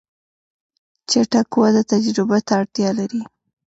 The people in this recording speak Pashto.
چټک وده تجربه ته اړتیا لري.